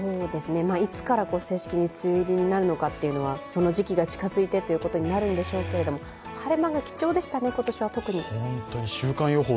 いつから、正式に梅雨入りになるのかというのはその時期が近づいてということになるんでしょうけれども、晴れ間が貴重でしたね、今年は特に週間予報